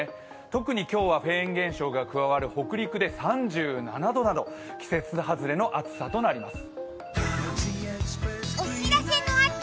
特に今日はフェーン現象が加わる北陸で３７度など季節外れの暑さとなります。